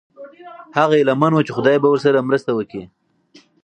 هغه هیله من و چې خدای به ورسره مرسته وکړي.